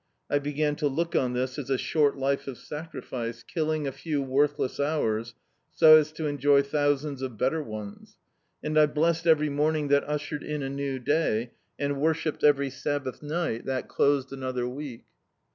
I began to look on this as a short life of sacrifice, killing a few worthless hours so as to enjoy thousands of better ones; and I blessed every morning that ushered in a new day, and worshipped every Sabbath night that closed another week.